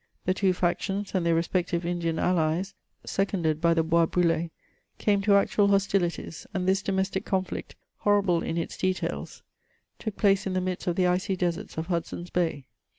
The two factions and their respective Indian allies, seconded by the boiS'bruliSy came to actual hostilities ; and this domestic conflict, horrible in its details, took place in the midst of the icy deserts of Hudson's Bay.